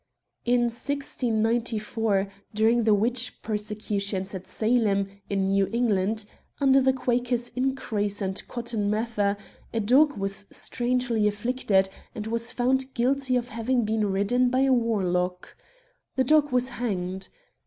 In 1694, during the witch persecutions at Salem, in New England, under the Quakers Increase and Cotton Mather, a dog was strangely afflicted, and was found guilty of having been ridden by a warlock. The dog was hanged.